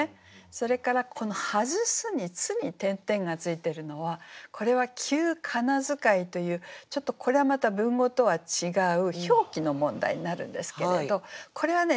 それからこの「はづす」に「つ」に点々がついてるのはこれは旧仮名遣いというちょっとこれはまた文語とは違う表記の問題になるんですけれどこれはね